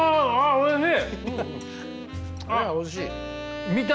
おいしい！